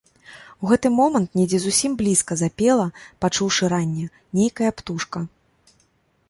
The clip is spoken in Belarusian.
У гэты момант недзе зусім блізка запела, пачуўшы ранне, нейкая птушка.